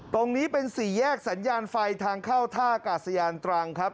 ตรงนี้เป็นสี่แยกสัญญาณไฟทางเข้าท่ากาศยานตรังครับ